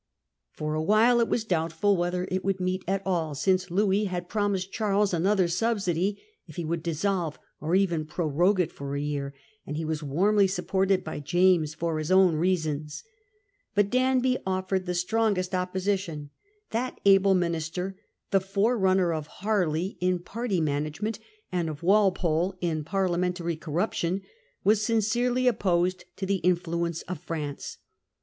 Fora while it was doubtful whether it would meet at all, since Louis had promised Charles another subsidy if he would dissolve, or even prorogue it for a year ; and he was warmly supported by James for his own P^Siament; reasons. But Danby offered the strongest returiTtoThe opposition. That able minister — the fore policy of runner of Harley in party management, and of Walpole in parliamentary corruption — was sincerely opposed to the influence of France.